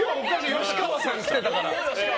吉川さん来てたから。